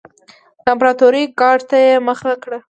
د امپراتورۍ ګارډ ته یې مخه کړه.